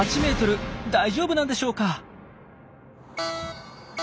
大丈夫なんでしょうか？